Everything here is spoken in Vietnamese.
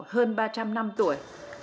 hơn ba trăm linh năm tuổi